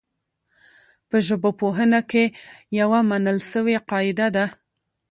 په ژبپوهنه کي يوه منل سوې قاعده ده.